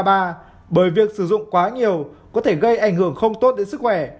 bởi việc sử dụng quá nhiều có thể gây ảnh hưởng không tốt đến sức khỏe